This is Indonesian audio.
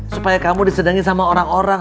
supaya kamu disedangin sama orang orang